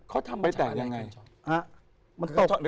เขาทำไปแต่ยังไง